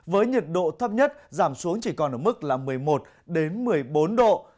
với nhiệt độ thấp nhất giảm xuống chỉ còn ở mức là một mươi một một mươi bốn độ